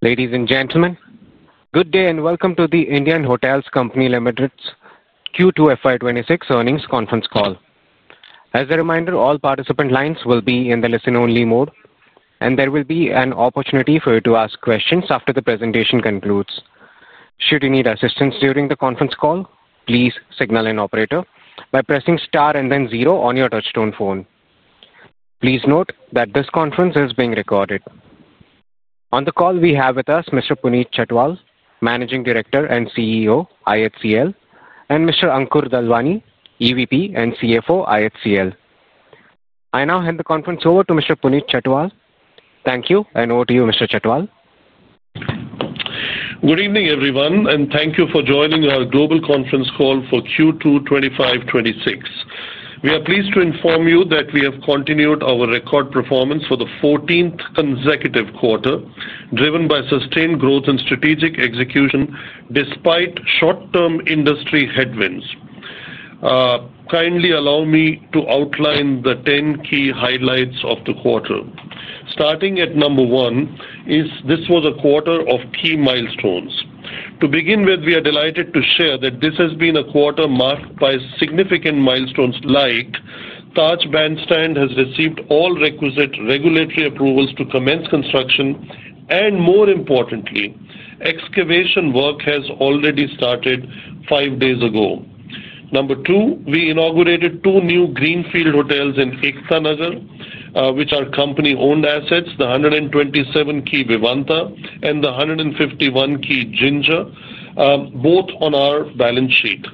Ladies and gentlemen, good day and welcome to the Indian Hotels Company Limited's Q2 FY 2026 earnings conference call. As a reminder, all participant lines will be in the listen-only mode, and there will be an opportunity for you to ask questions after the presentation concludes. Should you need assistance during the conference call, please signal an operator by pressing star and then zero on your touch-tone phone. Please note that this conference is being recorded. On the call, we have with us Mr. Puneet Chhatwal, Managing Director and CEO, IHCL, and Mr. Ankur Dalwani, EVP and CFO, IHCL. I now hand the conference over to Mr. Puneet Chhatwal. Thank you, and over to you, Mr. Chhatwal. Good evening, everyone, and thank you for joining our global conference call for Q2 2025/2026. We are pleased to inform you that we have continued our record performance for the 14th consecutive quarter, driven by sustained growth and strategic execution despite short-term industry headwinds. Kindly allow me to outline the 10 key highlights of the quarter. Starting at number one, this was a quarter of key milestones. To begin with, we are delighted to share that this has been a quarter marked by significant milestones like Taj Bandstand has received all requisite regulatory approvals to commence construction, and more importantly, excavation work has already started five days ago. Number two, we inaugurated two new greenfield hotels in Ekta Nagar, which are company-owned assets, the 127-key Vivanta and the 151-key Ginger. Both on our balance sheet.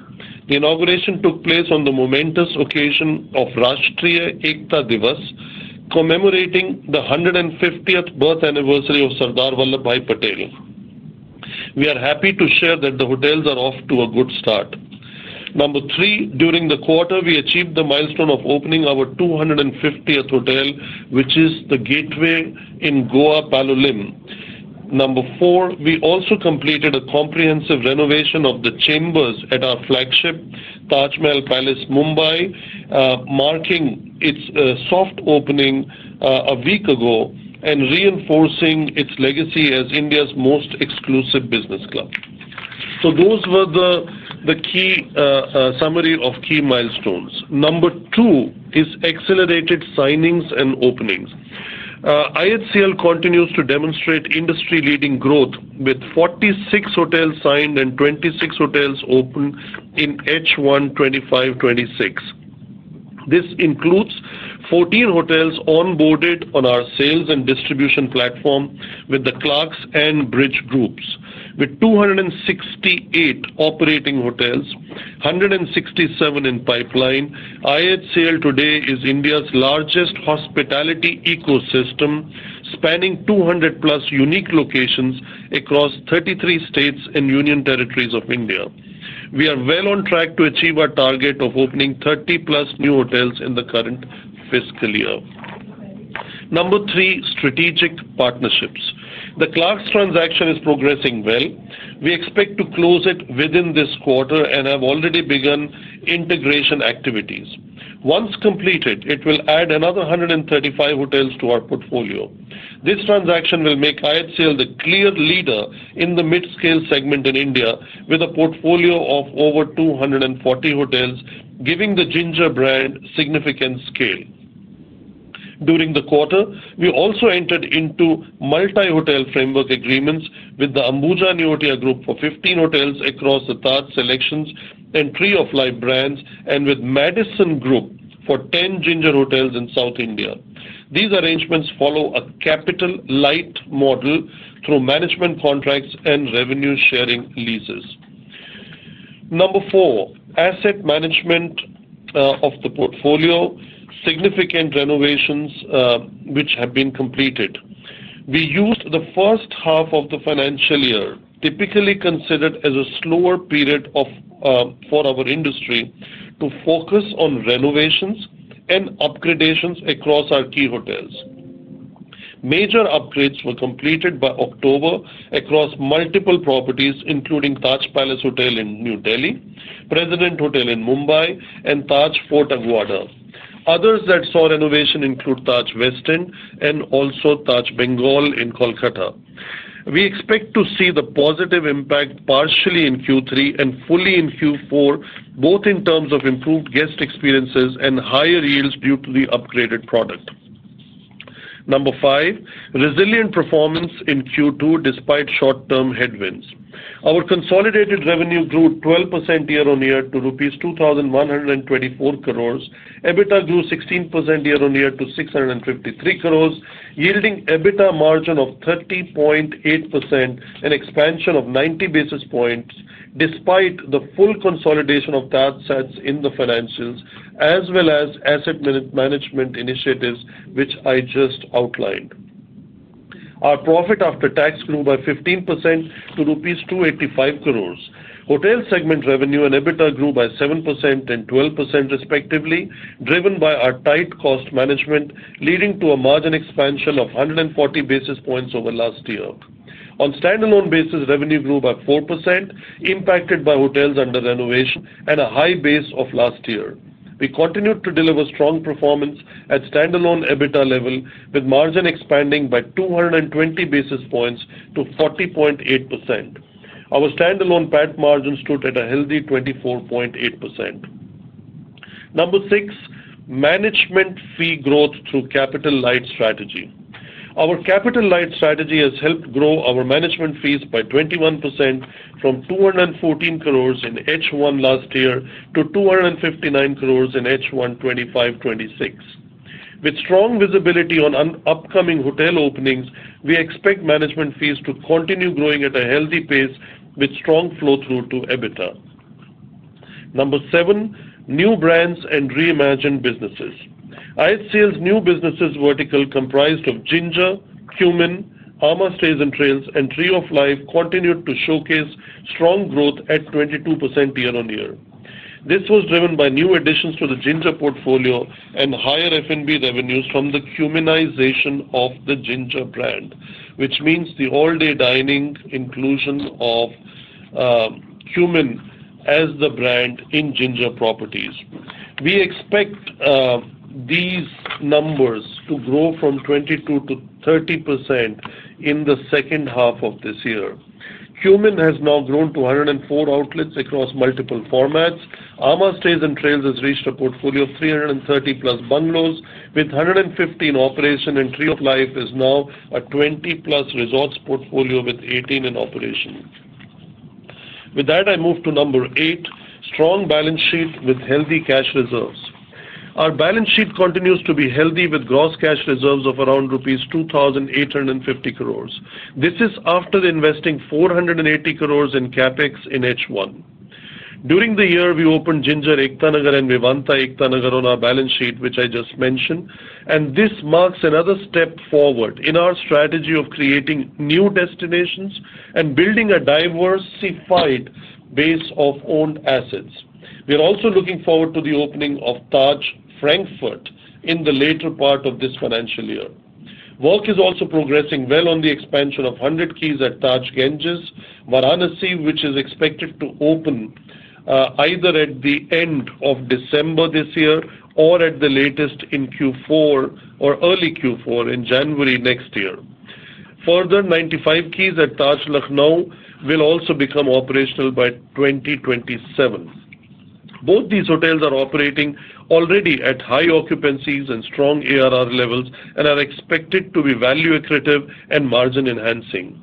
The inauguration took place on the momentous occasion of Rashtriya Ekta Diwas, commemorating the 150th birth anniversary of Sardar Vallabhbhai Patel. We are happy to share that the hotels are off to a good start. Number three, during the quarter, we achieved the milestone of opening our 250th hotel, which is the Gateway in Goa, Palolem. Number four, we also completed a comprehensive renovation of the chambers at our flagship, Taj Mahal Palace, Mumbai. Marking its soft opening a week ago and reinforcing its legacy as India's most exclusive business club. So those were the key summary of key milestones. Number two is accelerated signings and openings. IHCL continues to demonstrate industry-leading growth with 46 hotels signed and 26 hotels opened in H1 2025/2026. This includes 14 hotels onboarded on our sales and distribution platform with the Clarks and Bridge groups. With 268 operating hotels, 167 in pipeline, IHCL today is India's largest hospitality ecosystem, spanning 200+ unique locations across 33 states and Union Territories of India. We are well on track to achieve our target of opening 30+ new hotels in the current fiscal year. Number three, strategic partnerships. The Clarks transaction is progressing well. We expect to close it within this quarter and have already begun integration activities. Once completed, it will add another 135 hotels to our portfolio. This transaction will make IHCL the clear leader in the mid-scale segment in India with a portfolio of over 240 hotels, giving the Ginger brand significant scale. During the quarter, we also entered into multi-hotel framework agreements with the Ambuja Neotia Group for 15 hotels across the SeleQtions and Tree of Life brands, and with Madison Group for 10 Ginger hotels in South India. These arrangements follow a capital light model through management contracts and revenue-sharing leases. Number four, asset management of the portfolio, significant renovations which have been completed. We used the first half of the financial year, typically considered as a slower period. For our industry, to focus on renovations and upgradations across our key hotels. Major upgrades were completed by October across multiple properties, including Taj Palace Hotel in New Delhi, President Hotel in Mumbai, and Taj Fort Aguada. Others that saw renovation include Taj West End and also Taj Bengal in Kolkata. We expect to see the positive impact partially in Q3 and fully in Q4, both in terms of improved guest experiences and higher yields due to the upgraded product. Number five, resilient performance in Q2 despite short-term headwinds. Our consolidated revenue grew 12% year-on-year to rupees 2,124 crores. EBITDA grew 16% year-on-year to 653 crores, yielding EBITDA margin of 30.8% and expansion of 90 basis points despite the full consolidation of TajSATS in the financials, as well as asset management initiatives which I just outlined. Our profit after tax grew by 15% to 285 crores rupees. Hotel segment revenue and EBITDA grew by 7% and 12% respectively, driven by our tight cost management, leading to a margin expansion of 140 basis points over last year. On standalone basis, revenue grew by 4%, impacted by hotels under renovation and a high base of last year. We continued to deliver strong performance at standalone EBITDA level, with margin expanding by 220 basis points to 40.8%. Our standalone PAT margin stood at a healthy 24.8%. Number six, management fee growth through capital light strategy. Our capital light strategy has helped grow our management fees by 21% from 214 crores in H1 last year to 259 crores in H1 2025/2026. With strong visibility on upcoming hotel openings, we expect management fees to continue growing at a healthy pace with strong flow-through to EBITDA. Number seven, new brands and reimagined businesses. IHCL's new businesses vertical comprised of Ginger, Qmin, amã Stays & Trails, and Tree of Life continued to showcase strong growth at 22% year-on-year. This was driven by new additions to the Ginger portfolio and higher F&B revenues from the Qminization of the Ginger brand, which means the all-day dining inclusion of Qmin as the brand in Ginger properties. We expect these numbers to grow from 22% to 30% in the second half of this year. Qmin has now grown to 104 outlets across multiple formats. amã Stays & Trails has reached a portfolio of 330-plus bungalows, with 115 in operation, and Tree of Life is now a 20+ resorts portfolio with 18 in operation. With that, I move to number eight, strong balance sheet with healthy cash reserves. Our balance sheet continues to be healthy with gross cash reserves of around rupees 2,850 crores. This is after investing 480 crores in CapEx in H1. During the year, we opened Ginger Ekta Nagar and Vivanta Ekta Nagar on our balance sheet, which I just mentioned, and this marks another step forward in our strategy of creating new destinations and building a diversified base of owned assets. We are also looking forward to the opening of Taj Frankfurt in the later part of this financial year. Work is also progressing well on the expansion of 100 keys at Taj Ganges, Varanasi, which is expected to open. Either at the end of December this year or at the latest in Q4 or early Q4 in January next year. Further, 95 keys at Taj Lucknow will also become operational by 2027. Both these hotels are operating already at high occupancies and strong ARR levels and are expected to be value-accretive and margin-enhancing.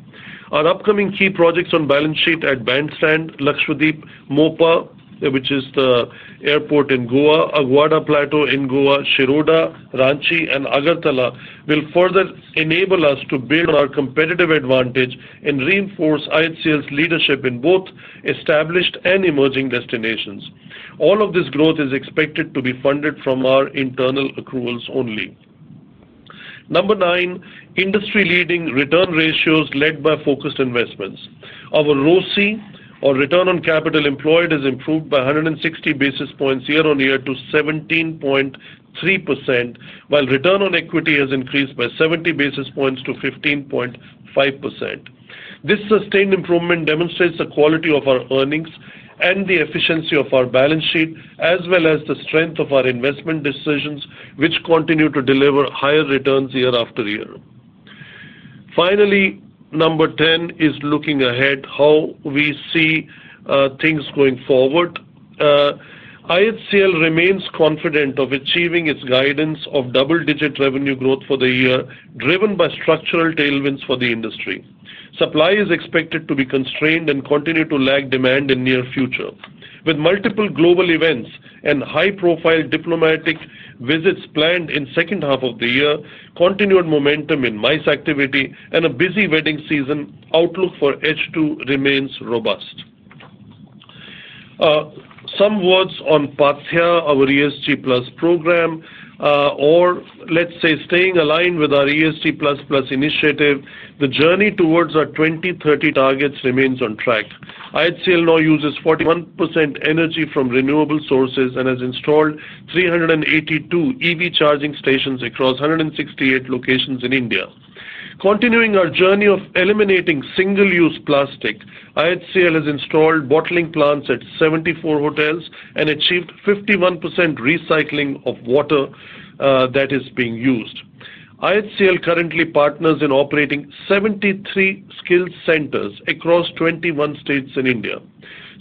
Our upcoming key projects on balance sheet at Bandstand, Lakshadweep, MOPA, which is the airport in Goa, Agada Plateau in Goa, Shiroda, Ranchi, and Agartala will further enable us to build our competitive advantage and reinforce IHCL's leadership in both established and emerging destinations. All of this growth is expected to be funded from our internal accruals only. Number nine, industry-leading return ratios led by focused investments. Our ROCE, or return on capital employed, has improved by 160 basis points year-on-year to 17.3%, while return on equity has increased by 70 basis points to 15.5%. This sustained improvement demonstrates the quality of our earnings and the efficiency of our balance sheet, as well as the strength of our investment decisions, which continue to deliver higher returns year-after-year. Finally, number 10 is looking ahead, how we see things going forward. IHCL remains confident of achieving its guidance of double-digit revenue growth for the year, driven by structural tailwinds for the industry. Supply is expected to be constrained and continue to lag demand in the near future. With multiple global events and high-profile diplomatic visits planned in the second half of the year, continued momentum in MICE activity, and a busy wedding season, outlook for H2 remains robust. Some words on Paathyā, our ESG+ Program. Or let's say staying aligned with our ESG++ Initiative, the journey towards our 2030 targets remains on track. IHCL now uses 41% energy from renewable sources and has installed 382 EV charging stations across 168 locations in India. Continuing our journey of eliminating single-use plastic, IHCL has installed bottling plants at 74 hotels and achieved 51% recycling of water. That is being used. IHCL currently partners in operating 73 skilled centers across 21 states in India.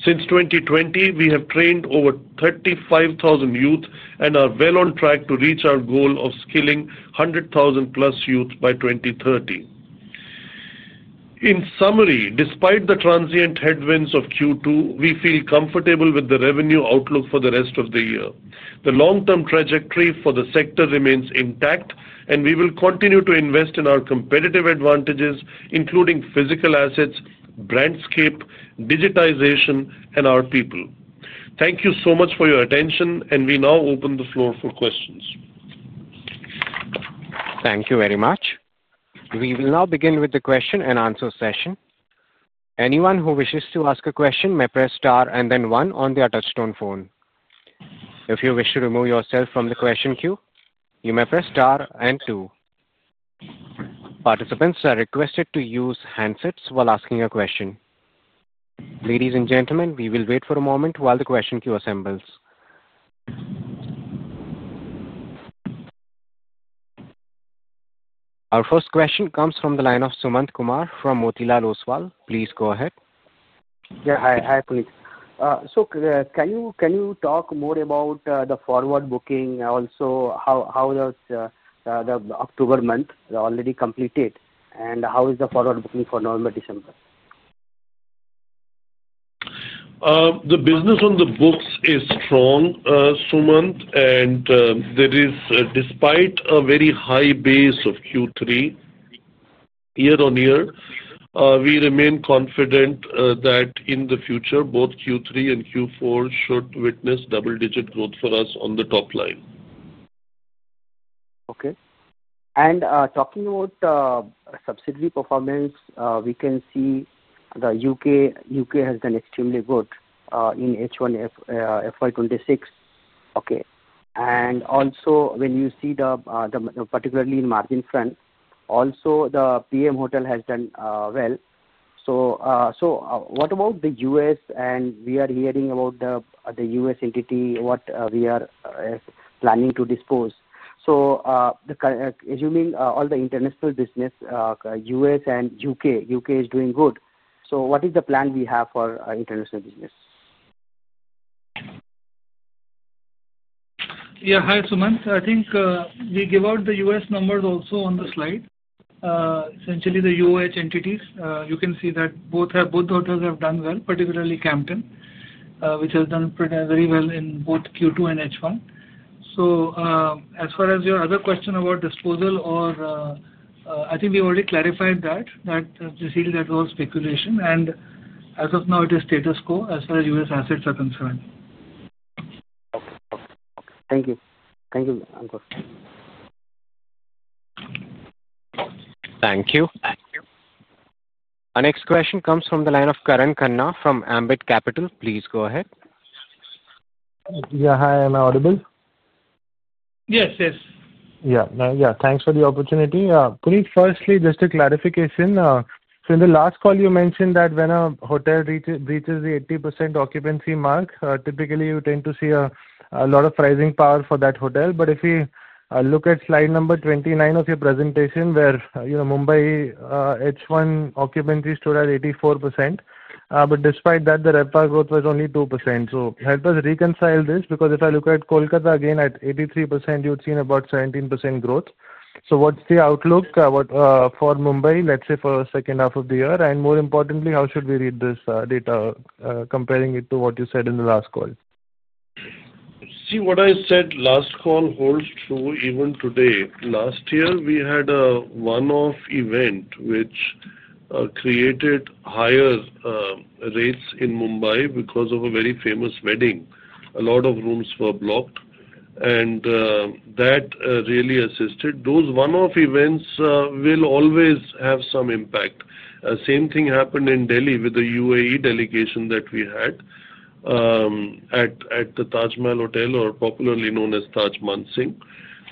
Since 2020, we have trained over 35,000 youth and are well on track to reach our goal of skilling 100,000+ youth by 2030. In summary, despite the transient headwinds of Q2, we feel comfortable with the revenue outlook for the rest of the year. The long-term trajectory for the sector remains intact, and we will continue to invest in our competitive advantages, including physical assets, brandscape, digitization, and our people. Thank you so much for your attention, and we now open the floor for questions. Thank you very much. We will now begin with the question-and-answer session. Anyone who wishes to ask a question may press star and then one on the touch-tone phone. If you wish to remove yourself from the question queue, you may press star and two. Participants are requested to use handsets while asking a question. Ladies and gentlemen, we will wait for a moment while the question queue assembles. Our first question comes from the line of Sumant Kumar from Motilal Oswal. Please go ahead. Yeah, hi, please. So can you talk more about the forward booking, also how the October month already completed, and how is the forward booking for November, December? The business on the books is strong, Sumant, and that is despite a very high base of Q3. Year-on-year, we remain confident that in the future, both Q3 and Q4 should witness double-digit growth for us on the top line. Okay and talking about subsidiary performance, we can see the U.K. has been extremely good in H1 FY 2026. Okay and also when you see, particularly in margin front, also the PM hotel has done well. So what about the U.S., and we are hearing about the U.S. entity, what we are planning to dispose. So assuming all the international business, U.S. and U.K., U.K. is doing good. So what is the plan we have for international business? Yeah, hi, Sumant. I think we give out the U.S. numbers also on the slide. Essentially, the entities, you can see that both hotels have done well, particularly Camden, which has done very well in both Q2 and H1. So as far as your other question about disposal, or. I think we already clarified that, that you see that was speculation. And as of now, it is status quo as far as U.S. assets are concerned. Okay. Thank you. Thank you. Thank you. Our next question comes from the line of Karan Khanna from Ambit Capital. Please go ahead. Yeah, hi. Am I audible? Yes, yes. Yeah. Yeah. Thanks for the opportunity. Please firstly, just a clarification. So in the last call, you mentioned that when a hotel reaches the 80% occupancy mark, typically you tend to see a lot of pricing power for that hotel. But if we look at slide number 29 of your presentation, where Mumbai H1 occupancy stood at 84%, but despite that, the RevPAR growth was only 2%. So help us reconcile this because if I look at Kolkata again at 83%, you've seen about 17% growth. So what's the outlook for Mumbai, let's say, for the second half of the year? And more importantly, how should we read this data, comparing it to what you said in the last call? See, what I said last call holds true even today. Last year, we had a one-off event which created higher rates in Mumbai because of a very famous wedding. A lot of rooms were blocked, and that really assisted. Those one-off events will always have some impact. Same thing happened in Delhi with the UAE delegation that we had at the Taj Mahal Hotel, or popularly known as Taj Mansingh.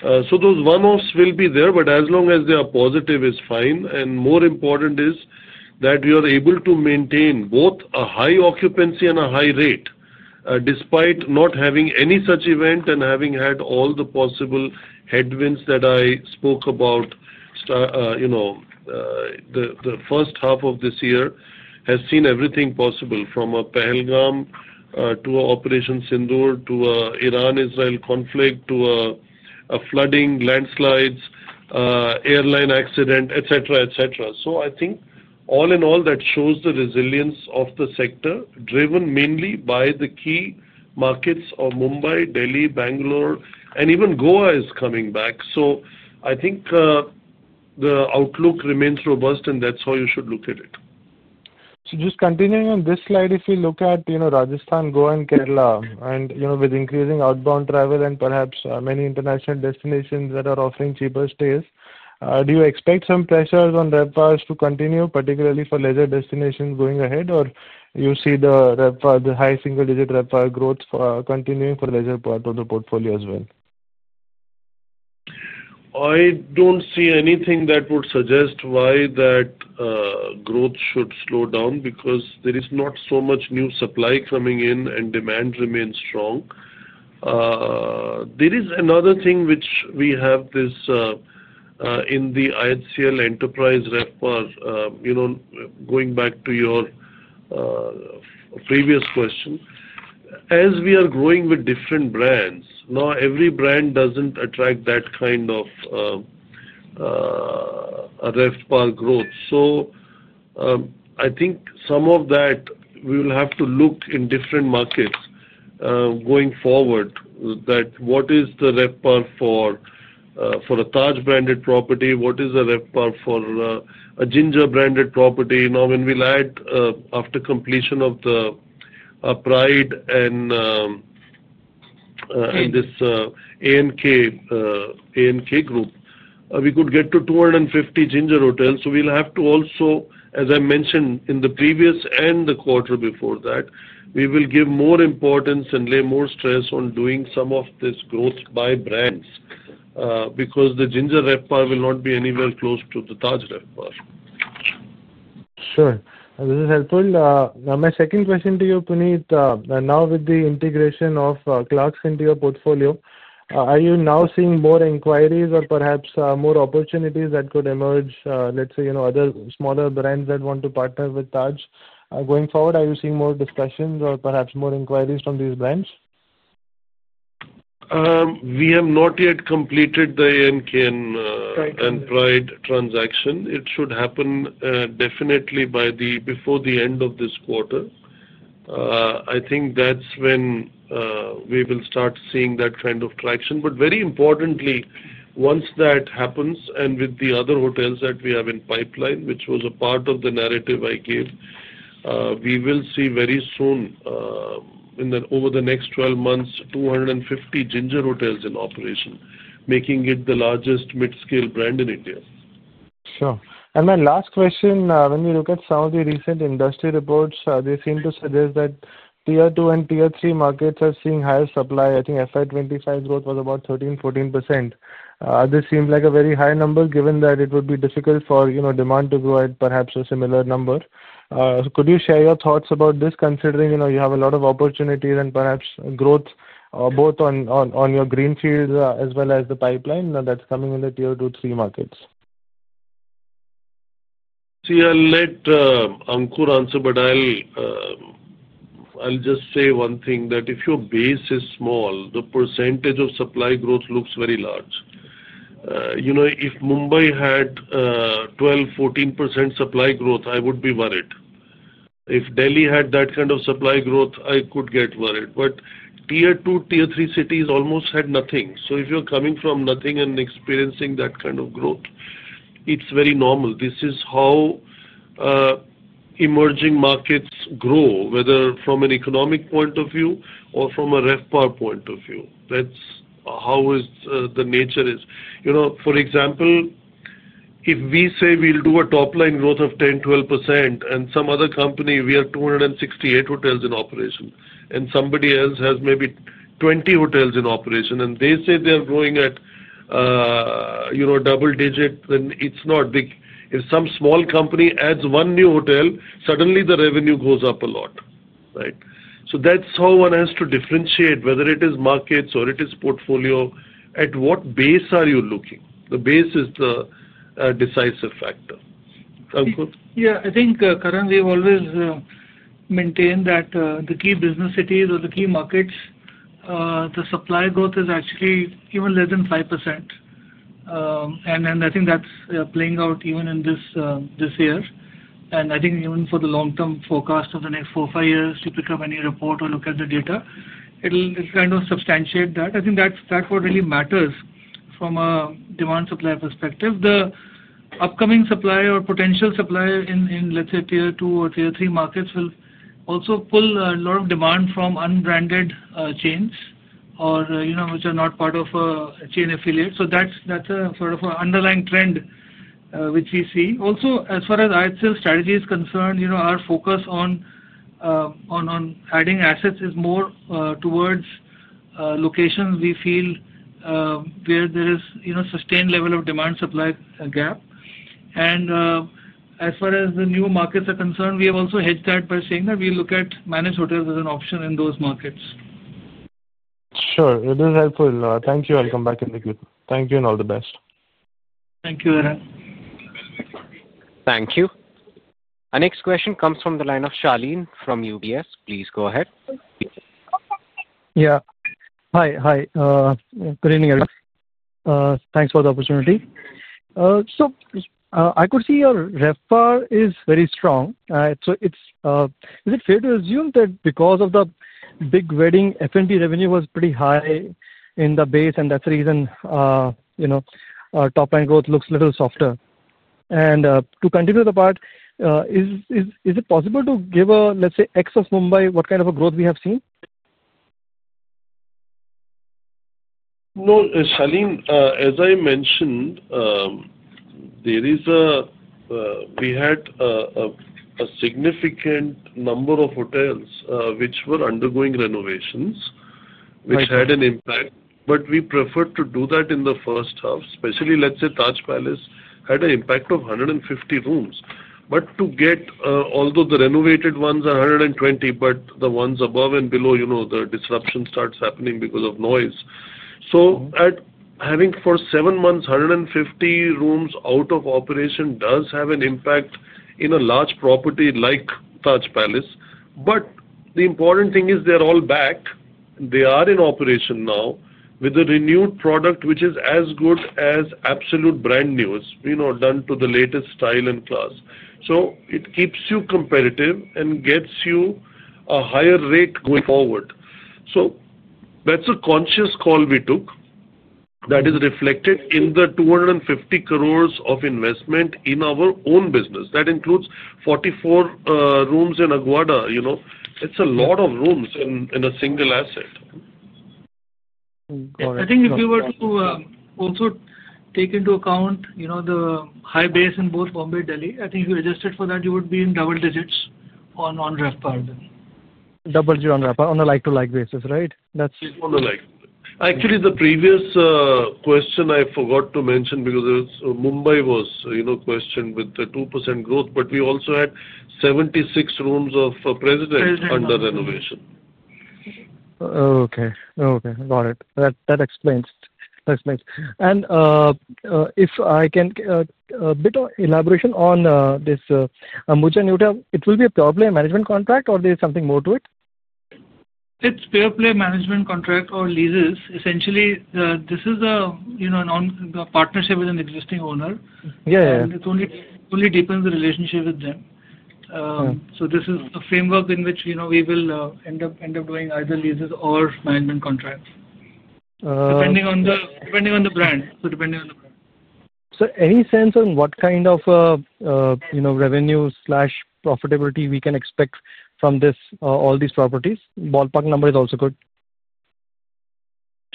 So those one-offs will be there, but as long as they are positive, it's fine, and more important is that we are able to maintain both a high occupancy and a high rate, despite not having any such event and having had all the possible headwinds that I spoke about. The first half of this year has seen everything possible, from a Pahalgam to an Operation Sindoor, to an Iran-Israel conflict, to flooding, landslides, airline accident, etc., etc. So I think all in all, that shows the resilience of the sector, driven mainly by the key markets of Mumbai, Delhi, Bengaluru, and even Goa is coming back. So I think the outlook remains robust, and that's how you should look at it. So just continuing on this slide, if we look at Rajasthan, Goa, and Kerala, and with increasing outbound travel and perhaps many international destinations that are offering cheaper stays, do you expect some pressures on RevPARs to continue, particularly for leisure destinations going ahead, or you see the high single-digit RevPAR growth continuing for leisure part of the portfolio as well? I don't see anything that would suggest why that growth should slow down because there is not so much new supply coming in, and demand remains strong. There is another thing which we have this in the IHCL enterprise RevPAR. Going back to your previous question. As we are growing with different brands, now every brand doesn't attract that kind of RevPAR growth, so I think some of that we will have to look in different markets going forward, that what is the RevPAR for a Taj-branded property? What is the RevPAR for a Ginger-branded property? Now, when we'll add after completion of the Pride and the ANK Group, we could get to 250 Ginger hotels, so we'll have to also, as I mentioned in the previous and the quarter before that, we will give more importance and lay more stress on doing some of this growth by brands. Because the Ginger RevPAR will not be anywhere close to the Taj RevPAR. Sure. This is helpful. Now, my second question to you, Puneet, now with the integration of Clarks to your portfolio, are you now seeing more inquiries or perhaps more opportunities that could emerge, let's say, other smaller brands that want to partner with Taj going forward? Are you seeing more discussions or perhaps more inquiries from these brands? We have not yet completed the ANK and Pride transaction. It should happen definitely before the end of this quarter. I think that's when. We will start seeing that kind of traction, but very importantly, once that happens and with the other hotels that we have in pipeline, which was a part of the narrative I gave, we will see very soon. Over the next 12 months, 250 Ginger hotels in operation, making it the largest mid-scale brand in India. Sure. And my last question, when we look at some of the recent industry reports, they seem to suggest that Tier 2 and Tier 3 markets are seeing higher supply. I think FY 2025 growth was about 13%, 14%. This seems like a very high number, given that it would be difficult for demand to grow at perhaps a similar number. Could you share your thoughts about this, considering you have a lot of opportunities and perhaps growth both on your greenfield as well as the pipeline that's coming in the Tier 2, 3 markets? See, I'll let Ankur answer, but I'll just say one thing, that if your base is small, the percentage of supply growth looks very large. If Mumbai had 12%, 14% supply growth, I would be worried. If Delhi had that kind of supply growth, I could get worried. But Tier 2, Tier 3 cities almost had nothing. So if you're coming from nothing and experiencing that kind of growth, it's very normal. This is how emerging markets grow, whether from an economic point of view or from a RevPAR point of view. That's how the nature is. For example, if we say we'll do a top-line growth of 10%, 12%, and some other company, we have 268 hotels in operation, and somebody else has maybe 20 hotels in operation, and they say they are growing at double-digit, then it's not big. If some small company adds one new hotel, suddenly the revenue goes up a lot. Right? So that's how one has to differentiate whether it is markets or it is portfolio. At what base are you looking? The base is the decisive factor. Ankur? Yeah. I think, Karan, we've always maintained that the key business cities or the key markets, the supply growth is actually even less than 5%, and I think that's playing out even in this year, and I think even for the long-term forecast of the next four, five years, you pick up any report or look at the data, it'll kind of substantiate that. I think that's what really matters from a demand-supply perspective. The upcoming supply or potential supply in, let's say, Tier 2 or Tier 3 markets will also pull a lot of demand from unbranded chains or which are not part of a chain affiliate, so that's sort of an underlying trend which we see. Also, as far as IHCL strategy is concerned, our focus on adding assets is more towards locations we feel where there is a sustained level of demand-supply gap, and as far as the new markets are concerned, we have also hedged that by saying that we look at managed hotels as an option in those markets. Sure. It is helpful. Thank you. I'll come back in the queue. Thank you and all the best. Thank you, Karan. Thank you. Our next question comes from the line of Shaleen from UBS. Please go ahead. Yeah. Hi, hi. Good evening, everyone. Thanks for the opportunity. So I could see your RevPAR is very strong. Is it fair to assume that because of the big wedding, F&B revenue was pretty high in the base, and that's the reason. Top-line growth looks a little softer? And to continue the part. Is it possible to give a, let's say, execess Mumbai what kind of a growth we have seen? No, Shaleen, as I mentioned. There is a significant number of hotels which were undergoing renovations, which had an impact. But we preferred to do that in the first half, especially, let's say, Taj Palace had an impact of 150 rooms. But to get, although the renovated ones are 120, but the ones above and below, the disruption starts happening because of noise. So having for seven months 150 rooms out of operation does have an impact in a large property like Taj Palace. But the important thing is they're all back. They are in operation now with a renewed product which is as good as absolute brand new, done to the latest style and class. So it keeps you competitive and gets you a higher rate going forward. So that's a conscious call we took. That is reflected in the 250 crores of investment in our own business. That includes 44 rooms in Aguada. It's a lot of rooms in a single asset. I think if you were to also take into account the high base in both Mumbai and Delhi, I think if you adjusted for that, you would be in double digits on RevPAR then. Double-digit on RevPAR on a like-for-like basis, right? On a like-to-like. Actually, the previous question I forgot to mention because Mumbai was questioned with the 2% growth, but we also had 76 rooms of President under renovation. Okay. Got it. That explains. And if I can, a bit of elaboration on this Ambuja Neotia, it will be a pure-play management contract, or there is something more to it? It's pure-play management contract or leases. Essentially, this is a partnership with an existing owner, and it only deepens the relationship with them, so this is the framework in which we will end up doing either leases or management contracts, depending on the brand. So any sense on what kind of revenue/profitability we can expect from all these properties? Ballpark number is also good.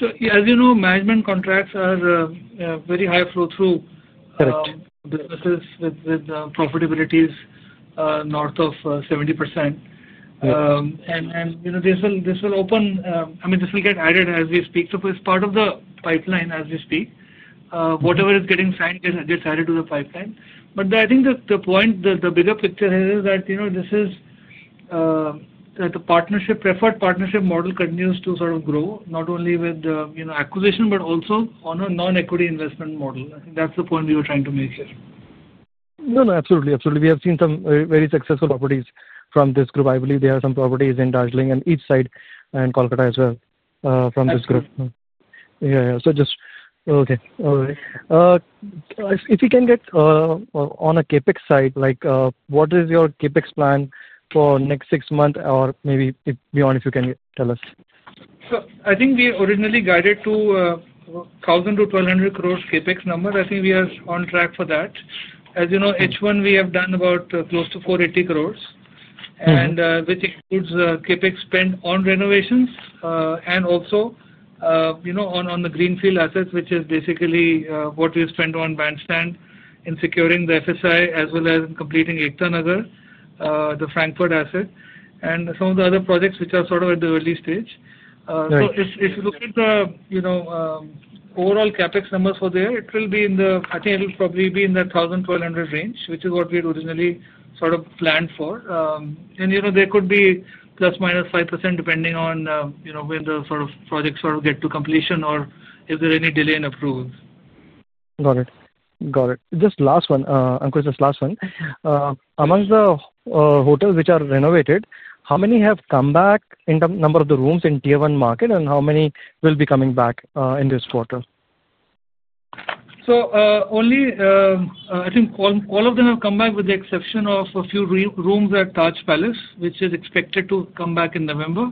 So as you know, management contracts are very high throughput. Correct. Businesses with profitabilities north of 70%, and this will open, I mean, this will get added as we speak, so it's part of the pipeline as we speak. Whatever is getting signed gets added to the pipeline, but I think the point, the bigger picture here is that this is the preferred partnership model continues to sort of grow, not only with acquisition, but also on a non-equity investment model. I think that's the point we were trying to make here. No, no. Absolutely. Absolutely. We have seen some very successful properties from this group. I believe there are some properties in Darjeeling and Eastside and Kolkata as well from this group. Yeah. Yeah. So just okay. All right. If we can get. On a CapEx side, what is your CapEx plan for next six months or maybe beyond if you can tell us? So I think we originally guided to 1,000 crores-1,200 crore CapEx number. I think we are on track for that. As you know, H1, we have done about close to 480 crore, which includes CapEx spent on renovations and also on the greenfield assets, which is basically what we spend on Bandstand in securing the FSI as well as completing Ekta Nagar, the Frankfurt asset, and some of the other projects which are sort of at the early stage. So if you look at the overall CapEx numbers for there, it will be in the, I think it'll probably be in the 1,000 crore, 1,200 crore range, which is what we had originally sort of planned for. And there could be plus minus 5% depending on when the sort of projects sort of get to completion or if there's any delay in approvals. Got it. Got it. Just last one, Ankur, just last one. Among the hotels which are renovated, how many have come back in terms of the number of the rooms in Tier 1 market, and how many will be coming back in this quarter? I think all of them have come back with the exception of a few rooms at Taj Palace, which is expected to come back in November,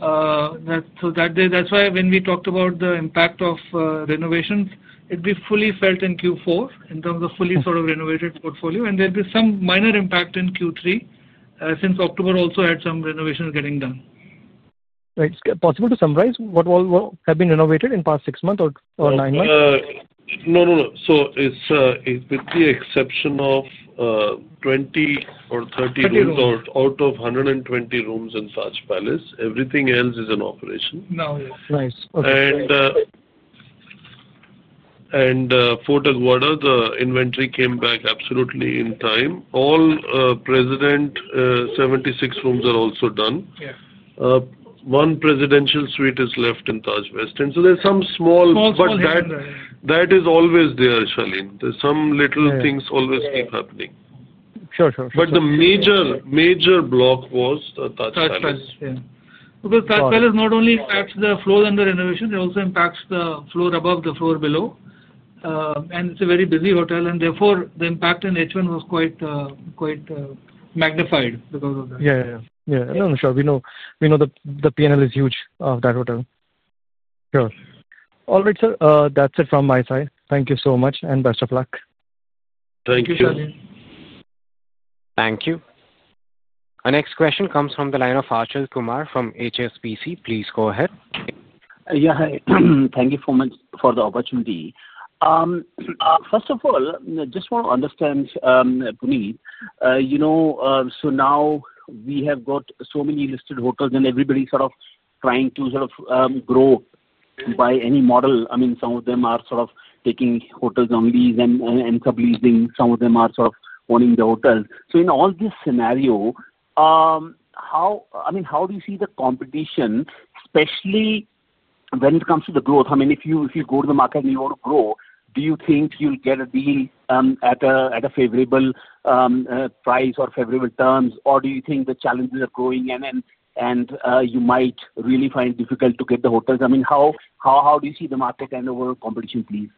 so that's why when we talked about the impact of renovations, it'll be fully felt in Q4 in terms of fully sort of renovated portfolio, and there'll be some minor impact in Q3 since October also had some renovations getting done. Right. Possible to summarize what all have been renovated in the past six months or nine months? No, no, no. So it's with the exception of 20 or 30 rooms out of 120 rooms in Taj Palace. Everything else is in operation. For Aguada, the inventory came back absolutely in time. All presidential 76 rooms are also done. One presidential suite is left in Taj West. And so there's some small, but that is always there, Shaleen. There's some little things always keep happening. Sure, sure, sure. But the major block was Taj Palace. Taj Palace, yeah. Because Taj Palace not only impacts the floor under renovation, it also impacts the floor above, the floor below. And it's a very busy hotel. And therefore, the impact in H1 was quite magnified because of that. Yeah, yeah, yeah. Yeah. No, sure. We know the P&L is huge of that hotel. Sure. All right, sir. That's it from my side. Thank you so much and best of luck. Thank you, Shaleen. Thank you. Our next question comes from the line of Achal Kumar from HSBC. Please go ahead. Yeah. Hi. Thank you so much for the opportunity. First of all, just want to understand. Puneet. So now we have got so many listed hotels, and everybody's sort of trying to sort of grow by any model. I mean, some of them are sort of taking hotels on lease and subleasing. Some of them are sort of owning the hotels. So in all this scenario. I mean, how do you see the competition, especially. When it comes to the growth? I mean, if you go to the market and you want to grow, do you think you'll get a deal at a favorable. Price or favorable terms, or do you think the challenges are growing and. You might really find it difficult to get the hotels? I mean, how do you see the market and overall competition, please?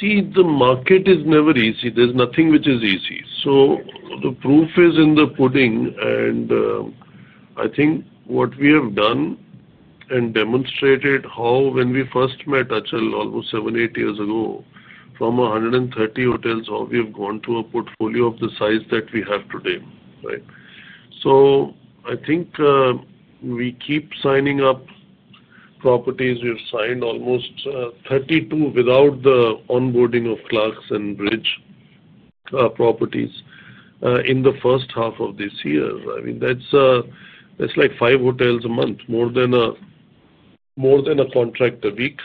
See, the market is never easy. There's nothing which is easy. So the proof is in the pudding. And. I think what we have done. And demonstrated how when we first met Achal almost seven, eight years ago, from 130 hotels, we have gone to a portfolio of the size that we have today. Right? So I think. We keep signing up. Properties. We have signed almost 32 without the onboarding of Clarks and Bridge. Properties in the first half of this year. I mean, that's. Like five hotels a month, more than. A contract a week.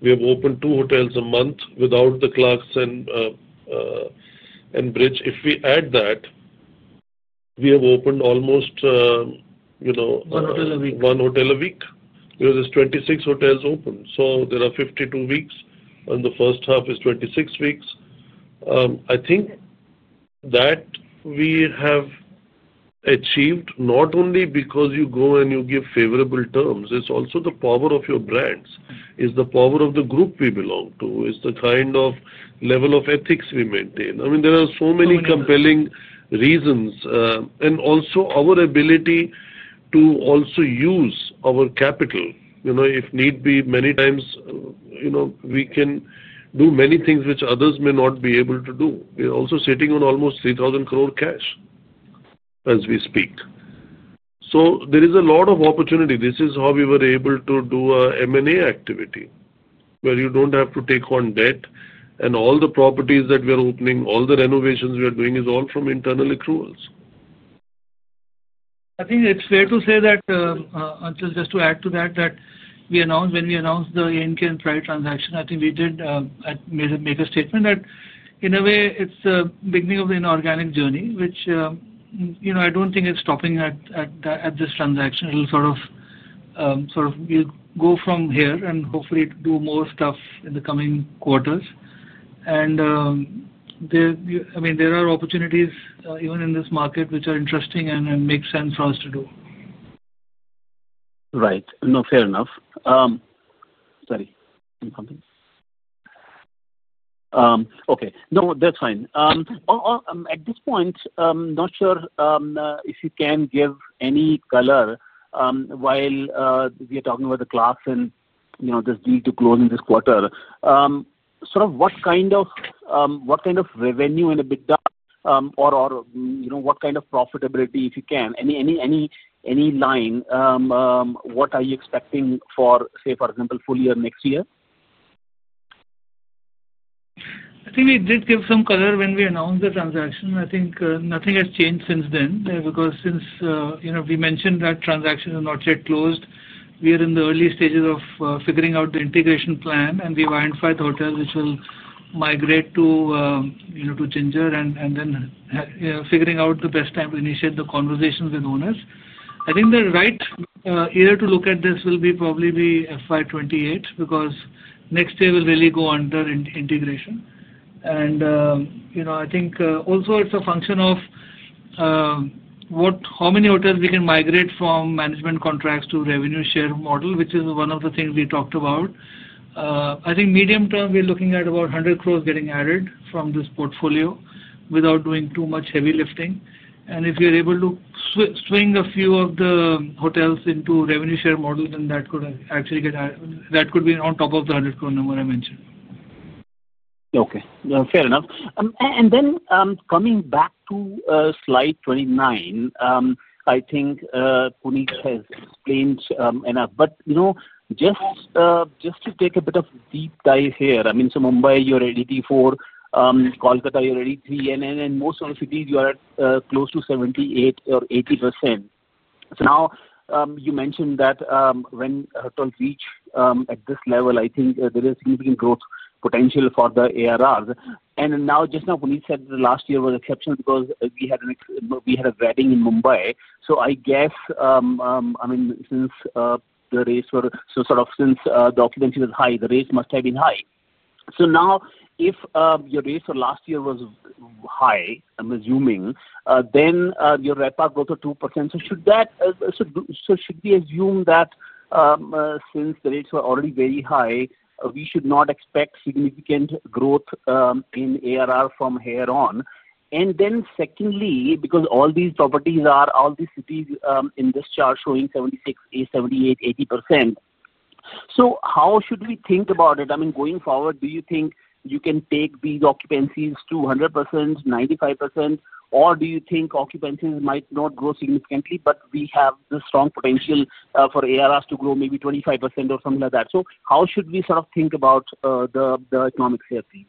We have opened two hotels a month without the Clarks and. Bridge. If we add that. We have opened almost. One hotel a week. One hotel a week. There's 26 hotels open. So there are 52 weeks, and the first half is 26 weeks, I think. That we have achieved not only because you go and you give favorable terms. It's also the power of your brands. It's the power of the group we belong to. It's the kind of level of ethics we maintain. I mean, there are so many compelling reasons. And also our ability to also use our capital if need be, many times. We can do many things which others may not be able to do. We're also sitting on almost 3,000 crore cash as we speak. So there is a lot of opportunity. This is how we were able to do an M&A activity where you don't have to take on debt. And all the properties that we are opening, all the renovations we are doing is all from internal accruals. I think it's fair to say that, Achal just to add to that, that when we announced the ANK and Pride transaction, I think we did make a statement that in a way, it's the beginning of an organic journey, which I don't think is stopping at this transaction. It'll sort of go from here and hopefully do more stuff in the coming quarters, and I mean, there are opportunities even in this market which are interesting and make sense for us to do. Right. No, fair enough. Sorry. Okay. No, that's fine. At this point, I'm not sure if you can give any color. While we are talking about the Clarks and this deal to close in this quarter. Sort of what kind of revenue in a big lump or what kind of profitability, if you can, any line. What are you expecting for, say, for example, full year next year? I think we did give some color when we announced the transaction. I think nothing has changed since then because since we mentioned that transaction is not yet closed, we are in the early stages of figuring out the integration plan, and we have identified hotels which will migrate to Ginger and then figuring out the best time to initiate the conversations with owners. I think the right year to look at this will probably be FY 2028 because next year will really go under integration. And I think also it's a function of how many hotels we can migrate from management contracts to revenue share model, which is one of the things we talked about. I think medium term, we're looking at about 100 crores getting added from this portfolio without doing too much heavy lifting. And if we are able to swing a few of the hotels into revenue share model, then that could actually get that could be on top of the 100 crore number I mentioned. Okay. Fair enough. And then coming back to slide 29, I think. Puneet has explained enough. But. Just to take a bit of deep dive here, I mean, so Mumbai, you're at 84%. Kolkata, you're at 83%. And in most of the cities, you are close to 78% or 80%. So now you mentioned that when hotels reach at this level, I think there is significant growth potential for the ADRs. And now just now, Puneet said last year was exceptional because we had a wedding in Mumbai. So I guess. I mean, since the rates were so sort of since the occupancy was high, the rates must have been high. So now if your rates for last year was high, I'm assuming, then your RevPAR growth goes to 2%. So should. We assume that. Since the rates were already very high, we should not expect significant growth in ADR from here on? And then secondly, because all these properties are all these cities in this chart showing 76%, 78%, 80%. So how should we think about it? I mean, going forward, do you think you can take these occupancies to 100%, 95%, or do you think occupancies might not grow significantly, but we have the strong potential for ADRs to grow maybe 25% or something like that? So how should we sort of think about the economic share piece?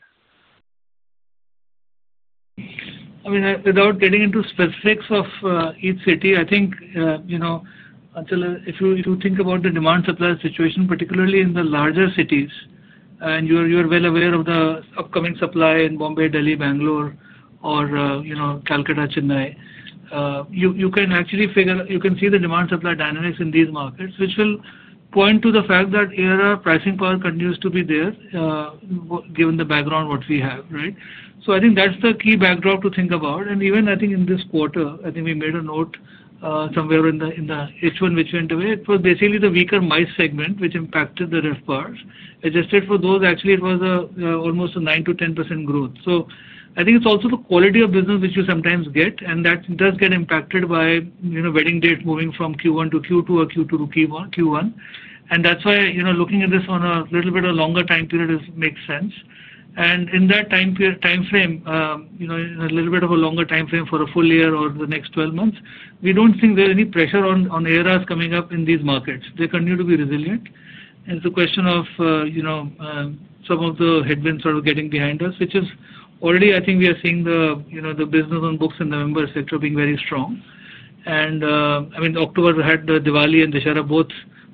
I mean, without getting into specifics of each city, I think if you think about the demand-supply situation, particularly in the larger cities, and you're well aware of the upcoming supply in Mumbai, Delhi, Bengaluru, or Kolkata, Chennai. You can actually see the demand-supply dynamics in these markets, which will point to the fact that ADR pricing power continues to be there. Given the background, what we have, right? So I think that's the key backdrop to think about. And even I think in this quarter, I think we made a note somewhere in the H1 which went away. It was basically the weaker MICE segment which impacted the RevPAR. Adjusted for those, actually, it was almost a 9%-10% growth. So I think it's also the quality of business which you sometimes get, and that does get impacted by wedding dates moving from Q1 to Q2 or Q2 to Q1. And that's why looking at this on a little bit of a longer time period makes sense. And in that time frame, in a little bit of a longer time frame for a full year or the next 12 months, we don't think there's any pressure on ADRs coming up in these markets. They continue to be resilient. And it's a question of some of the headwinds sort of getting behind us, which is already, I think we are seeing the business on books and the numbers are being very strong. And I mean, October had the Diwali and Dussehra both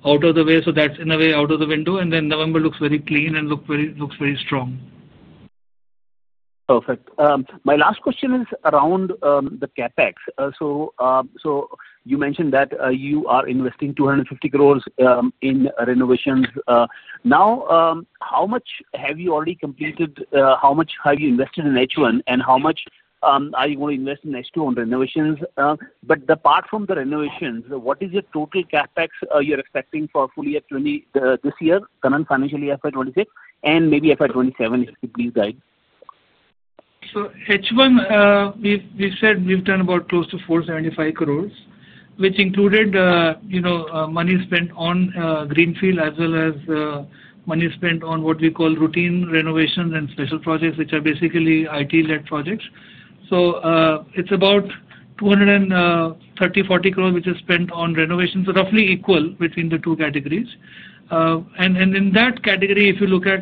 out of the way, so that's in a way out of the window. And then November looks very clean and looks very strong. Perfect. My last question is around the CapEx. So. You mentioned that you are investing 250 crore in renovations. Now, how much have you already completed? How much have you invested in H1, and how much are you going to invest in H2 on renovations? But apart from the renovations, what is your total CapEx you're expecting for full year this year, current financial year FY 2026, and maybe FY 2027, if you please guide? So H1, we've said we've done about close to 475 crores, which included money spent on greenfield as well as money spent on what we call routine renovations and special projects, which are basically IT-led projects. So it's about 230 croresc, 240 crores which is spent on renovations, roughly equal between the two categories. And in that category, if you look at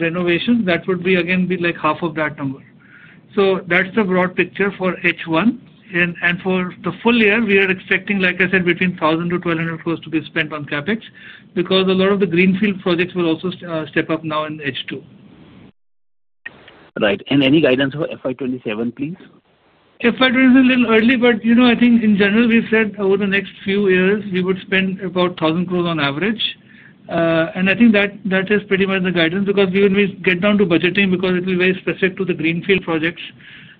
renovations, that would be again like half of that number. So that's the broad picture for H1. And for the full year, we are expecting, like I said, between 1,000 crores-1,200 crores to be spent on CapEx because a lot of the greenfield projects will also step up now in H2. Right. And any guidance for FY 2027, please? FY 2027 is a little early, but I think in general, we've said over the next few years, we would spend about 1,000 crores on average, and I think that is pretty much the guidance because when we get down to budgeting, because it will be very specific to the greenfield projects,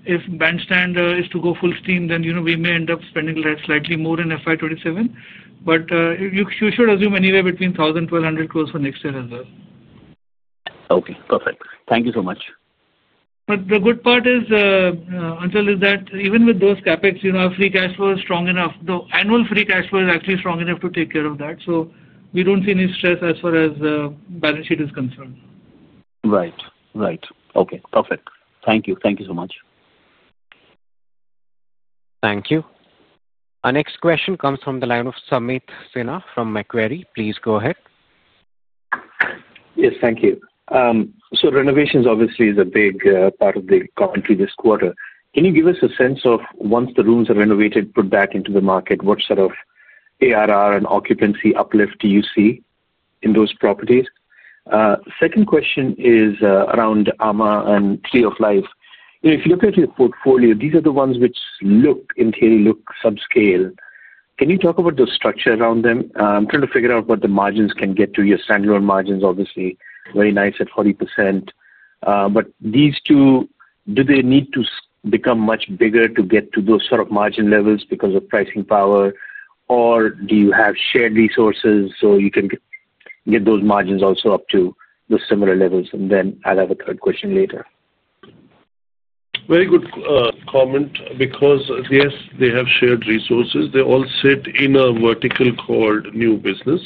if Bandstand is to go full steam, then we may end up spending slightly more in FY 2027, but you should assume anywhere between 1,000 crores and 1,200 crores for next year as well. Okay. Perfect. Thank you so much. But the good part is that even with those CapEx, our free cash flow is strong enough. The annual free cash flow is actually strong enough to take care of that. So we don't see any stress as far as the balance sheet is concerned. Right. Right. Okay. Perfect. Thank you. Thank you so much. Thank you. Our next question comes from the line of Sameet Sinha from Macquarie. Please go ahead. Yes, thank you. So renovations obviously is a big part of the commentary this quarter. Can you give us a sense of, once the rooms are renovated, put that into the market? What sort of ARR and occupancy uplift do you see in those properties? Second question is around amã and Tree of Life. If you look at your portfolio, these are the ones which look, in theory, subscale. Can you talk about the structure around them? I'm trying to figure out what the margins can get to. Your standalone margins, obviously, very nice at 40%. But these two, do they need to become much bigger to get to those sort of margin levels because of pricing power, or do you have shared resources so you can get those margins also up to the similar levels? And then I'll have a third question later. Very good comment because, yes, they have shared resources. They all sit in a vertical called new business,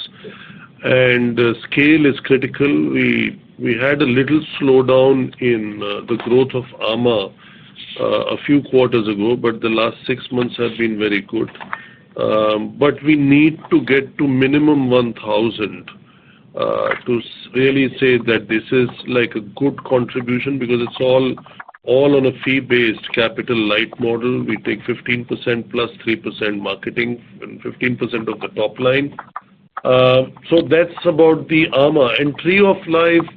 and scale is critical. We had a little slowdown in the growth of amã a few quarters ago, but the last six months have been very good, but we need to get to minimum 1,000 crores to really say that this is like a good contribution because it's all on a fee-based capital-light model. We take 15% + 3% marketing and 15% of the top line. So that's about the amã, and Tree of Life,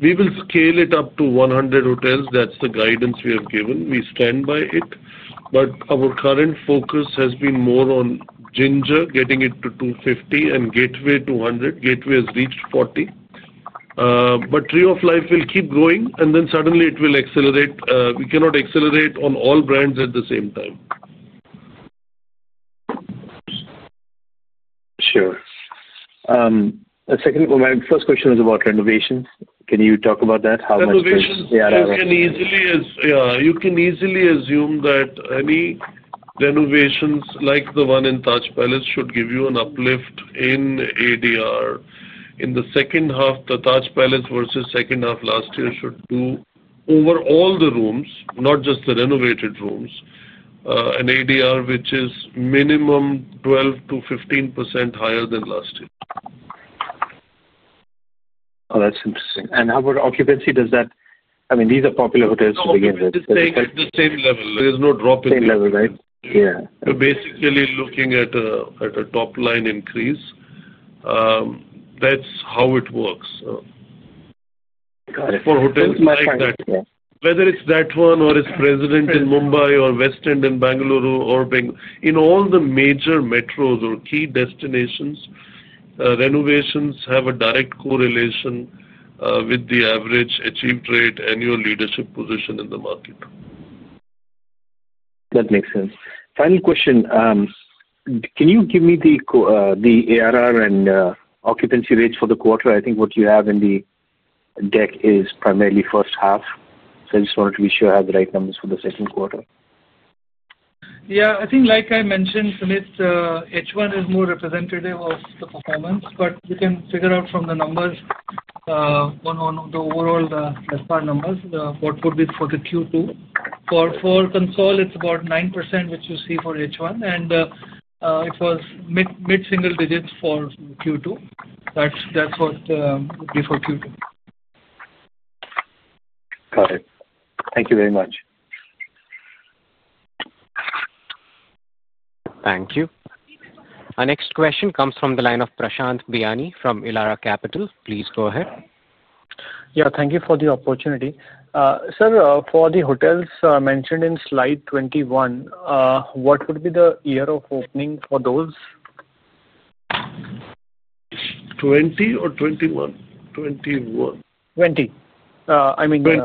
we will scale it up to 100 hotels. That's the guidance we have given. We stand by it, but our current focus has been more on Ginger, getting it to 250, and Gateway 200. Gateway has reached 40, but Tree of Life will keep going, and then suddenly it will accelerate. We cannot accelerate on all brands at the same time. Sure. My first question was about renovations. Can you talk about that? How much ARR? Renovations, you can easily assume that any renovations like the one in Taj Palace should give you an uplift in ADR. In the second half, the Taj Palace versus second half last year should do over all the rooms, not just the renovated rooms. An ADR which is minimum 12%-15% higher than last year. Oh, that's interesting. And how about occupancy? I mean, these are popular hotels to begin with. It's at the same level. There is no drop in the Same level, right? Yeah. Basically looking at a top line increase. That's how it works. Got it. For hotels like that, whether it's that one or it's President in Mumbai or West End in Bengaluru or in all the major metros or key destinations. Renovations have a direct correlation with the average achieved rate annual leadership position in the market. That makes sense. Final question. Can you give me the ARR and occupancy rates for the quarter? I think what you have in the deck is primarily first half. So I just wanted to be sure I have the right numbers for the second quarter. Yeah. I think like I mentioned, Sumit, H1 is more representative of the performance, but we can figure out from the numbers. On the overall RevPAR numbers, what would be for the Q2. For consolidated, it's about 9%, which you see for H1, and. It was mid-single digits for Q2. That's what would be for Q2. Got it. Thank you very much. Thank you. Our next question comes from the line of Prashant Biyani from Elara Capital. Please go ahead. Yeah, thank you for the opportunity. Sir, for the hotels mentioned in slide 21. What would be the year of opening for those? 20 or 21? 21. I mean. These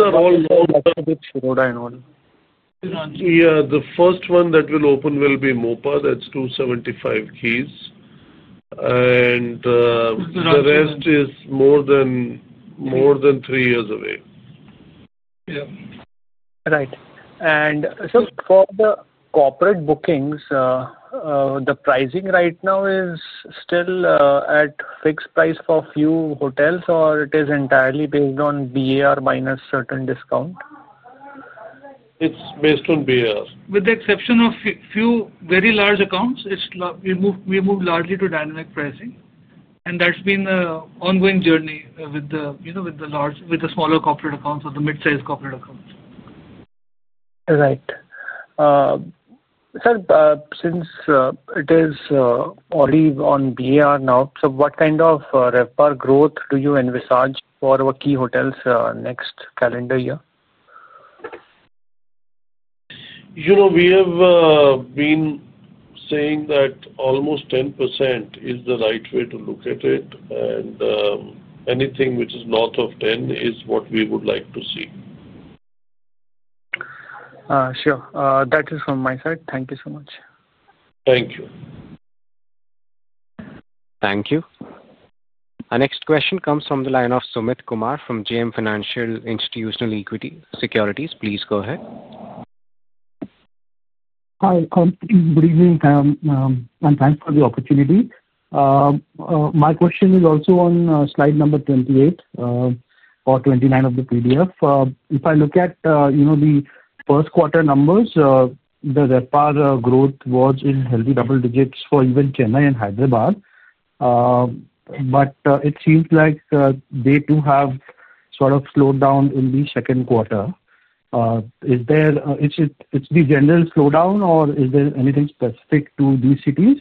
are all long with Shiroda and all. Yeah. The first one that will open will be MOPA. That's 275 keys. And the rest is more than three years away. Yeah. Right. And sir, for the corporate bookings. The pricing right now is still at fixed price for a few hotels, or it is entirely based on BAR minus certain discount? It's based on BAR. With the exception of a few very large accounts, we move largely to dynamic pricing. And that's been the ongoing journey with the smaller corporate accounts or the mid-sized corporate accounts. Right. Sir, since it is on par now, so what kind of RevPAR growth do you envisage for key hotels next calendar year? We have been saying that almost 10% is the right way to look at it, and anything which is north of 10% is what we would like to see. Sure. That is from my side. Thank you so much. Thank you. Thank you. Our next question comes from the line of Sumit Kumar from JM Financial Institutional Securities. Please go ahead. Hi. Good evening. And thanks for the opportunity. My question is also on slide number 28. Or 29 of the PDF. If I look at the first quarter numbers, the RevPAR growth was in healthy double digits for even Chennai and Hyderabad. But it seems like they too have sort of slowed down in the second quarter. Is it the general slowdown, or is there anything specific to these cities?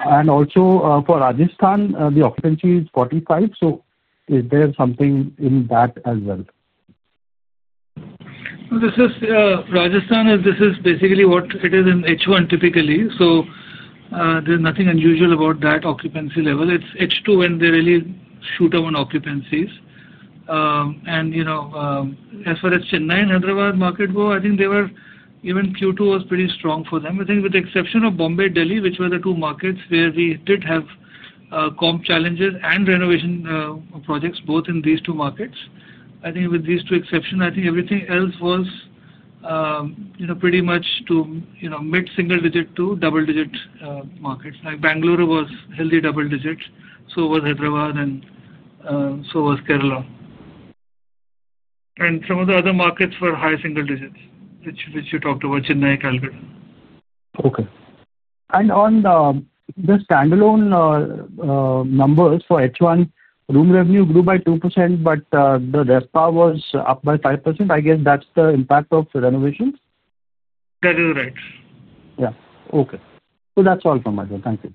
And also for Rajasthan, the occupancy is 45%. So is there something in that as well? This is Rajasthan, and this is basically what it is in H1 typically. So. There's nothing unusual about that occupancy level. It's H2 when they really shoot up on occupancies. And. As far as Chennai and Hyderabad market go, I think they were even Q2 was pretty strong for them. I think with the exception of Bombay, Delhi, which were the two markets where we did have. Comp challenges and renovation projects both in these two markets. I think with these two exceptions, I think everything else was. Pretty much to mid-single digit to double digit markets. Like Bengaluru was healthy double digit, so was Hyderabad, and. So was Kerala. And some of the other markets were high single digits, which you talked about, Chennai, Kolkata. Okay. On the standalone numbers for H1, room revenue grew by 2%, but the RevPAR was up by 5%. I guess that's the impact of renovations? That is right. Yeah. Okay. So that's all from my side. Thank you.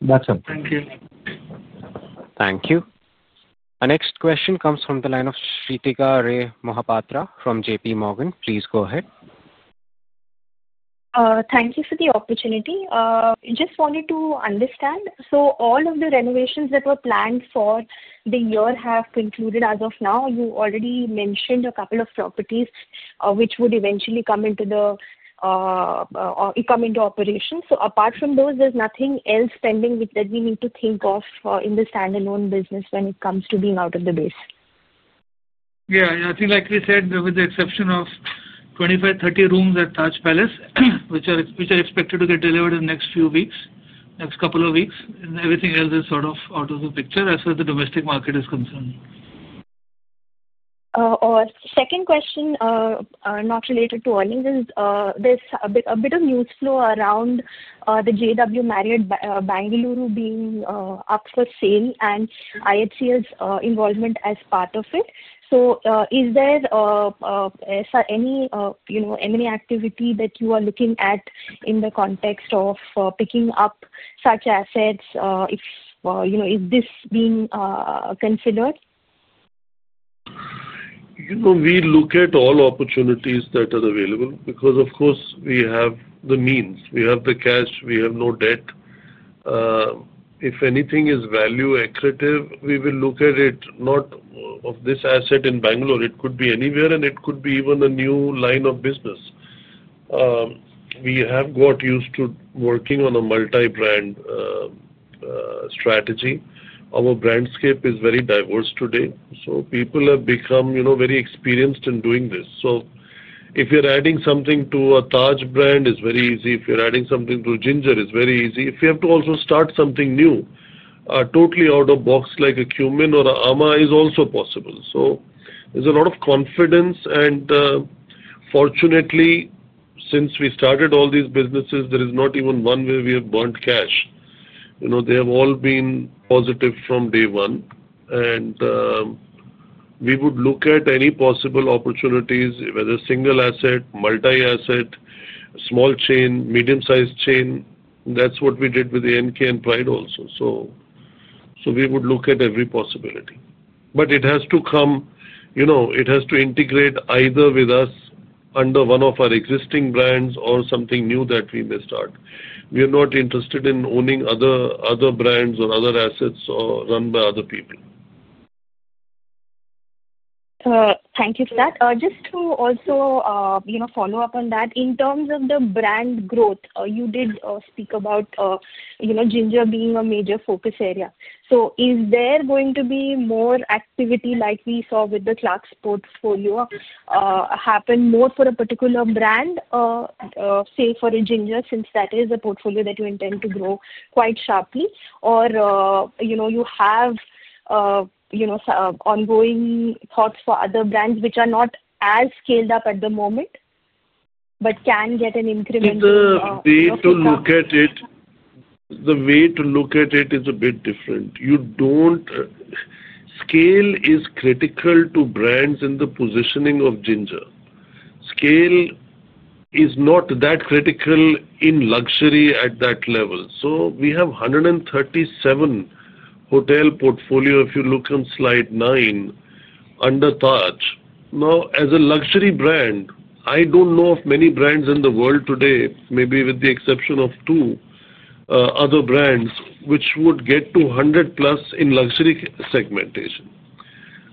That's all. Thank you. Thank you. Our next question comes from the line of Sreetika Ray Mohapatra from JPMorgan. Please go ahead. Thank you for the opportunity. I just wanted to understand. So all of the renovations that were planned for the year have concluded as of now. You already mentioned a couple of properties which would eventually come into the operation. So apart from those, there's nothing else pending that we need to think of in the standalone business when it comes to being out of the base? Yeah. I think, like we said, with the exception of 25-30 rooms at Taj Palace, which are expected to get delivered in the next few weeks, next couple of weeks, and everything else is sort of out of the picture as far as the domestic market is concerned. Second question. Not related to earnings, is there's a bit of news flow around the JW Marriott Bengaluru being up for sale and IHCL's involvement as part of it. So is there any activity that you are looking at in the context of picking up such assets? Is this being considered? We look at all opportunities that are available because, of course, we have the means. We have the cash. We have no debt. If anything is value-accretive, we will look at it not just this asset in Bengaluru. It could be anywhere, and it could be even a new line of business. We have got used to working on a multi-brand strategy. Our brand scale is very diverse today. So people have become very experienced in doing this. So if you're adding something to a Taj brand, it's very easy. If you're adding something to Ginger, it's very easy. If you have to also start something new. Totally out of the box like a Qmin or an amã is also possible. So there's a lot of confidence. And fortunately, since we started all these businesses, there is not even one where we have burnt cash. They have all been positive from day one. And we would look at any possible opportunities, whether single asset, multi-asset, small chain, medium-sized chain. That's what we did with the NK and Pride also. So we would look at every possibility. But it has to come. It has to integrate either with us under one of our existing brands or something new that we may start. We are not interested in owning other brands or other assets run by other people. Thank you for that. Just to also follow up on that, in terms of the brand growth, you did speak about Ginger being a major focus area. So is there going to be more activity like we saw with the Clarks portfolio happen more for a particular brand, say for a Ginger, since that is a portfolio that you intend to grow quite sharply, or you have ongoing thoughts for other brands which are not as scaled up at the moment but can get an incremental growth? The way to look at it. The way to look at it is a bit different. Scale is critical to brands in the positioning of Ginger. Scale is not that critical in luxury at that level. So we have 137 hotel portfolio, if you look on slide 9 under Taj. Now, as a luxury brand, I don't know of many brands in the world today, maybe with the exception of two other brands which would get to 100+ in luxury segmentation.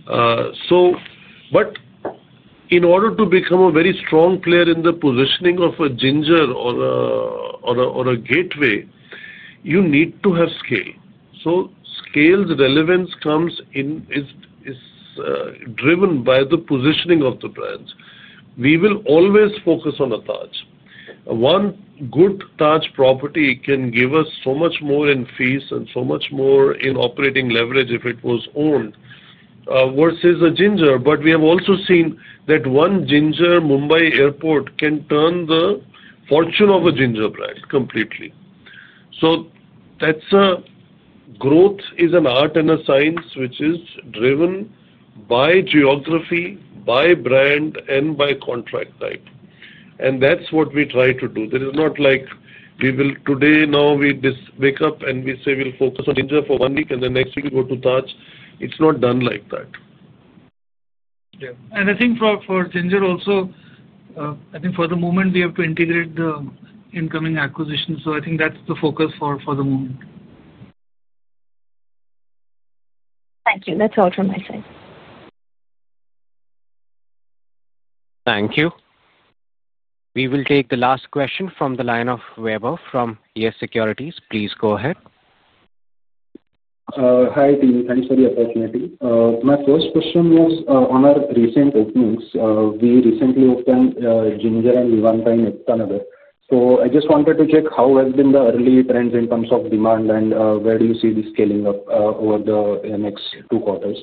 But in order to become a very strong player in the positioning of a Ginger or a Gateway, you need to have scale. So scale's relevance comes driven by the positioning of the brands. We will always focus on a Taj. One good Taj property can give us so much more in fees and so much more in operating leverage if it was owned versus a Ginger. But we have also seen that one Ginger Mumbai Airport can turn the fortune of a Ginger brand completely. So growth is an art and a science which is driven by geography, by brand, and by contract type. And that's what we try to do. There is not like today, now we wake up and we say we'll focus on Ginger for one week, and then next week we go to Taj. It's not done like that. Yeah. And I think for Ginger also, I think for the moment, we have to integrate the incoming acquisitions. So I think that's the focus for the moment. Thank you. That's all from my side. Thank you. We will take the last question from the line of [Weber] from Securities. Please go ahead. Hi, team. Thanks for the opportunity. My first question was on our recent openings. We recently opened Ginger and Vivanta in Ekta Nagar. So I just wanted to check how have been the early trends in terms of demand and where do you see the scaling up over the next two quarters.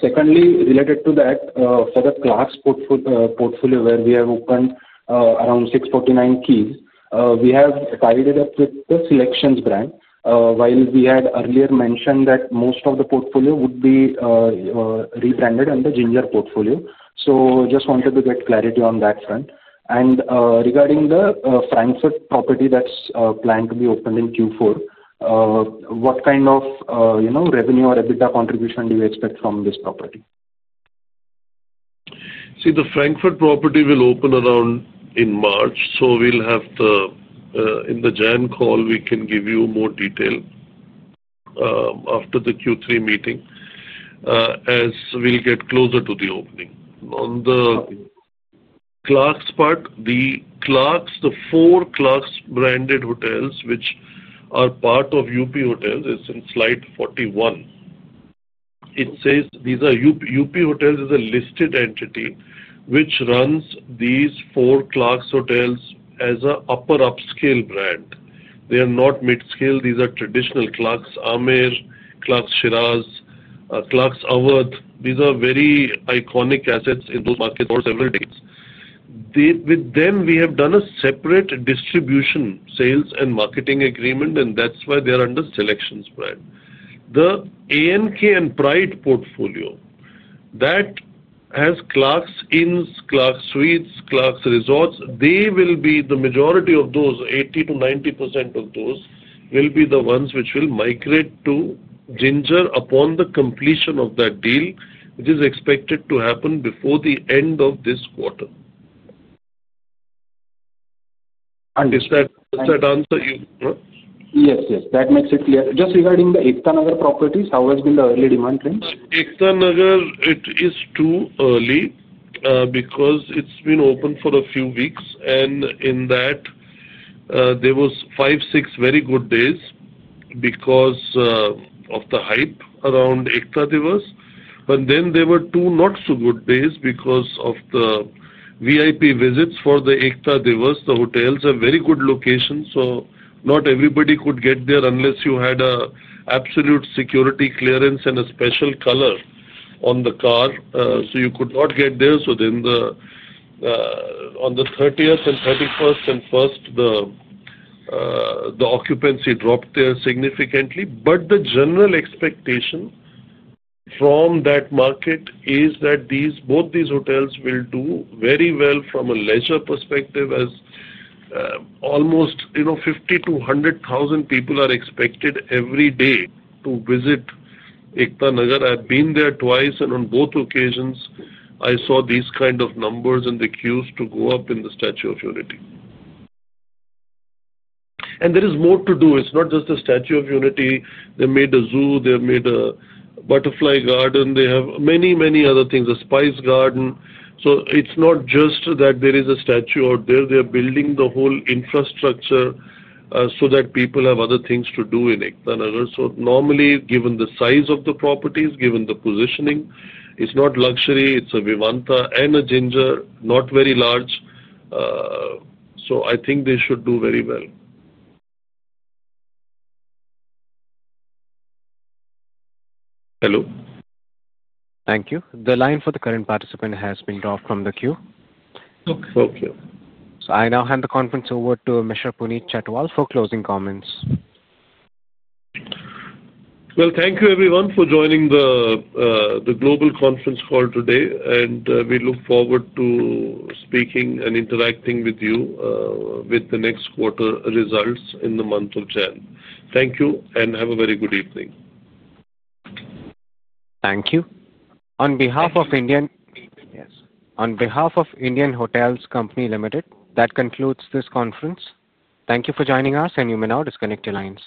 Secondly, related to that, for the Clarks portfolio, where we have opened around 649 keys, we have tied it up with the SeleQtions brand. While we had earlier mentioned that most of the portfolio would be rebranded under Ginger portfolio. So I just wanted to get clarity on that front. And regarding the Frankfurt property that's planned to be opened in Q4. What kind of revenue or EBITDA contribution do you expect from this property? See, the Frankfurt property will open around in March. So we'll have the in the January call, we can give you more detail after the Q3 meeting. As we'll get closer to the opening. On the Clarks part, the Clarks, the four Clarks branded hotels which are part of UP Hotels, it's in slide 41. It says these are UP Hotels is a listed entity which runs these four Clarks hotels as an upper upscale brand. They are not mid-scale. These are traditional Clarks, Amer, Clarks Shiraz. Clarks Avadh. These are very iconic assets in those markets for several days. With them, we have done a separate distribution sales and marketing agreement, and that's why they are under SeleQtions brand. The NK and Pride portfolio, that has Clarks Inns, Clarks Suites, Clarks Resorts. They will be the majority of those, 80%-90% of those will be the ones which will migrate to Ginger upon the completion of that deal, which is expected to happen before the end of this quarter. Is that answer you? Yes, yes. That makes it clear. Just regarding the Ekta Nagar properties, how has been the early demand trend? Nagar, it is too early. Because it's been open for a few weeks. And in that there were five, six very good days because of the hype around Ekta Diwas. But then there were two not-so-good days because of the VIP visits for the Ekta Diwas. The hotels are very good locations, so not everybody could get there unless you had an absolute security clearance and a special color on the car. So you could not get there. So then on the 30th and 31st and 1st, the occupancy dropped there significantly. But the general expectation from that market is that both these hotels will do very well from a leisure perspective, as almost 50,000-100,000 people are expected every day to visit Ekta Nagar. I've been there twice, and on both occasions, I saw these kinds of numbers and the queues to go up in the Statue of Unity. And there is more to do. It's not just the Statue of Unity. They made a zoo. They made a butterfly garden. They have many, many other things, a spice garden. So it's not just that there is a statue out there. They are building the whole infrastructure so that people have other things to do in it. So normally, given the size of the properties, given the positioning, it's not luxury. It's a Vivanta and a Ginger, not very large. So I think they should do very well. Hello? Thank you. The line for the current participant has been dropped from the queue. Okay. So I now hand the conference over to Mr. Puneet Chhatwal for closing comments. Thank you, everyone, for joining the global conference call today. We look forward to speaking and interacting with you with the next quarter results in the month of January. Thank you, and have a very good evening. Thank you. On behalf of Indian. Yes. On behalf of Indian Hotels Company Limited, that concludes this conference. Thank you for joining us, and you may now disconnect your lines.